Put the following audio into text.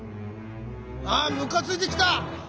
あムカついてきた！